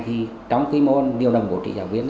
trong khi điều đồng bố trí giáo viên